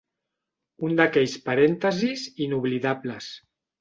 Un d'aquells parèntesis inoblidables.